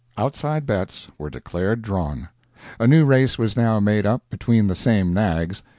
Outside bets were declared drawn. A new race was now made up between the same nags.